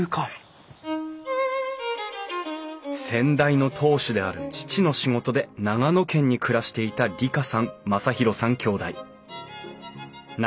先代の当主である父の仕事で長野県に暮らしていた里香さん